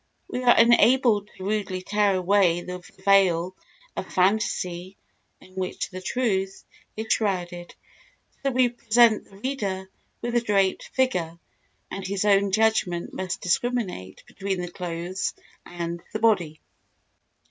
We are unable to rudely tear away the veil of phantasy in which the truth is shrouded, so we present the reader with a draped figure, and his own judgment must discriminate between the clothes and the body.